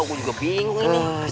gue juga bingung ini